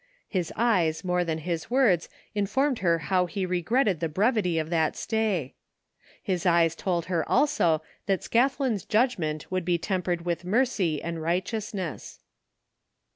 His eyes more than his words informed her how he regretted the brevity of that stay. His eyes told her also that 190 THE FINDING OF JASPER HOLT Scathlin's judgment would be tempered with mercy and righteousness.